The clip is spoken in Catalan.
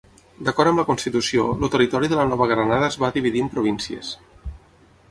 D'acord amb la constitució, el territori de la Nova Granada es va dividir en províncies.